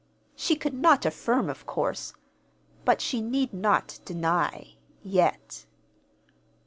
She could not affirm, of course; but she need not deny yet.